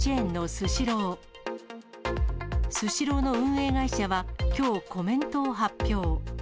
スシローの運営会社はきょう、コメントを発表。